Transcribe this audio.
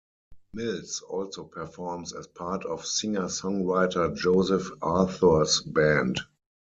Mills also performs as part of singer-songwriter Joseph Arthur's band.